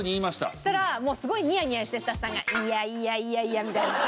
そしたらもうすごいニヤニヤしてスタッフさんが「いやいやいやいや」みたいな。